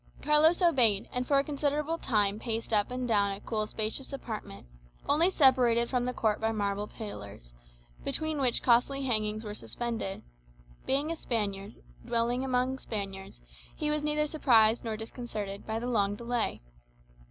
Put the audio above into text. Carlos obeyed, and for a considerable time paced up and down a cool spacious apartment, only separated from the court by marble pillars, between which costly hangings were suspended. Being a Spaniard, and dwelling among Spaniards, he was neither surprised nor disconcerted by the long delay.